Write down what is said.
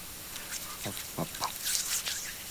All major east-west roads in Stonnington have tram services.